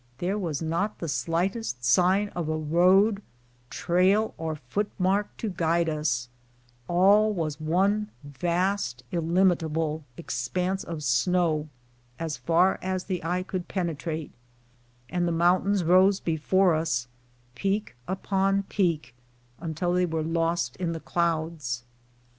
There was not the slightest sign of a road, trail, or foot mark to guide us ; all was one vast, illimitable expanse of snow as far as the eye could penetrate ; and the rnountains rose before us, peak upon peak, until they were lost in the clouds.